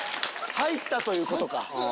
入ったということか。